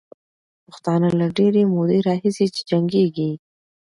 پښتانه له ډېرې مودې راهیسې جنګېږي.